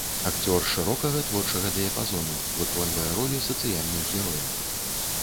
Акцёр шырокага творчага дыяпазону, выконвае ролі сацыяльных герояў.